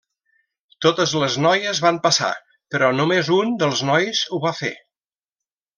Totes les noies van passar, però només un dels nois ho van fer.